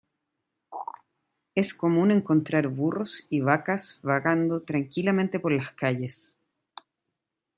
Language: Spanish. Es común encontrar burros y vacas vagando tranquilamente por las calles.